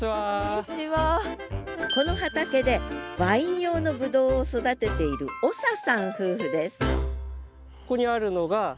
この畑でワイン用のブドウを育てている長さん夫婦です